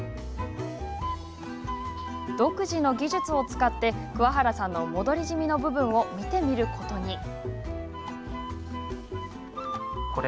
独自の技術を使って桑原さんの戻りジミの部分を見てみることに。